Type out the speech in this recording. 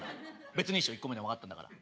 別にいいっしょ１個目でも分かったんだから。